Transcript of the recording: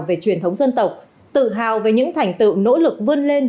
về truyền thống dân tộc tự hào về những thành tựu nỗ lực vươn lên